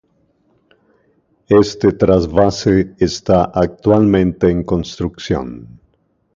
Este trasvase esta actualmente en construcción.